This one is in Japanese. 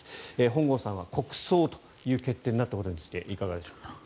本郷さんは国葬という決定になったことについていかがでしょうか？